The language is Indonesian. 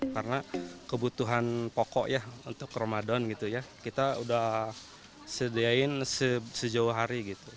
karena kebutuhan pokok untuk ramadhan kita sudah sediakan sejauh hari